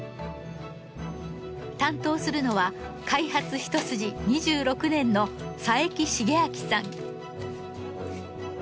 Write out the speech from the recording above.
担当するのは開発一筋２６年の佐伯鎮啓さん。